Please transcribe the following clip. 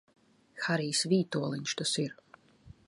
Harijs Vītoliņš tas ir!